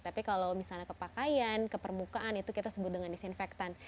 tapi kalau misalnya kepakaian ke permukaan itu kita sebut dengan disinfektan